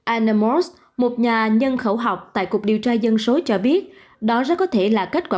anna morse một nhà nhân khẩu học tại cục điều tra dân số cho biết đó rất có thể là kết quả